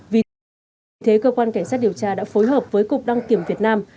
vì thế cơ quan cảnh sát điều tra đã phối hợp với cục đăng kiểm việt nam